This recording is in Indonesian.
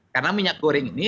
karena minyak goreng ini